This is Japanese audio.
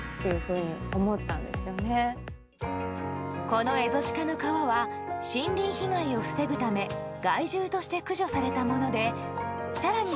このエゾシカの革は森林被害を防ぐため害獣として駆除されたもので更に